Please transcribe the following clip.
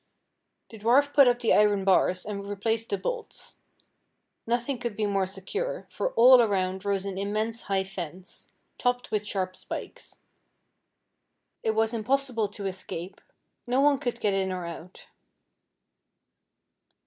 The dwarf put up the iron bars, and replaced the bolts. Nothing could be more secure, for all around rose an immense high fence, topped with sharp spikes. It was impossible to escape no one could get in or out.